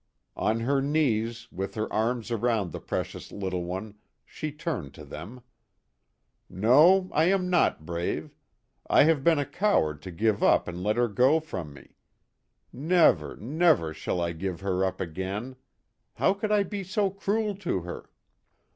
n8 "MISSMILLY." On her knees, with her arms around the precious little one, she turned to them, " No, I am not brave. I have been a coward to give up and let her go from me. Never, never, shall I give her up again ; how could I be so cruel to her!"